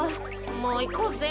もういこうぜ。